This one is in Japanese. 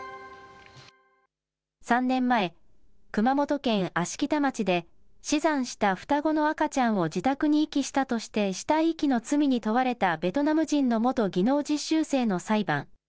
３年前、熊本県芦北町で、死産した双子の赤ちゃんを自宅に遺棄したとして、死体遺棄の罪に問われたベトナム人の元技能実習生の裁判。